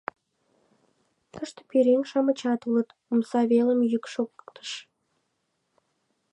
— Тыште пӧръеҥ-шамычат улыт, — омса велым йӱк шоктыш.